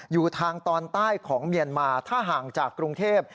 อยู่ทางตอนใต้ของเมียนมาถ้าห่างจากกรุงเทพ